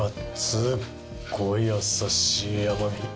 すっごい優しい甘味。